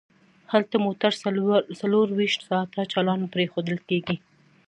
هلته موټر څلور ویشت ساعته چالان پریښودل کیږي